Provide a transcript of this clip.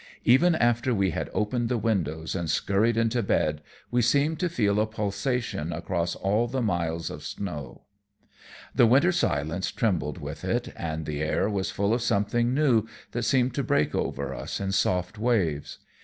Even after we had opened the windows and scurried into bed, we seemed to feel a pulsation across all the miles of snow. The winter silence trembled with it, and the air was full of something new that seemed to break over us in soft waves.